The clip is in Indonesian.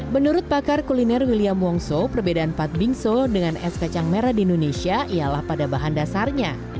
menurut pakar kuliner william wongso perbedaan pad bingsu dengan es kacang merah di indonesia ialah pada bahan dasarnya